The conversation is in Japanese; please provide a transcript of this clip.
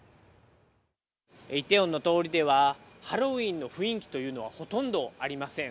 イテウォンの通りでは、ハロウィーンの雰囲気というのはほとんどありません。